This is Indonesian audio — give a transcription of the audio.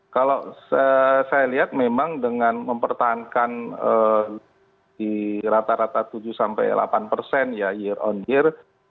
kalau saya lihat memang dengan mempertahankan di rata rata tujuh sampai delapan persen ya year on year